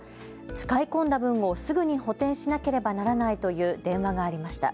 使い込んだ分をすぐに補填しなければならないという電話がありました。